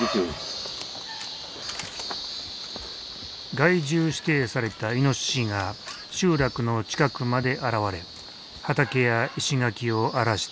害獣指定されたイノシシが集落の近くまで現れ畑や石垣を荒らしていた。